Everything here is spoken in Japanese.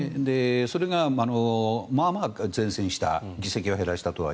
それがまあまあ善戦した議席を減らしたとは